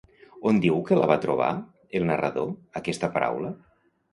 On diu que la va trobar, el narrador, aquesta paraula?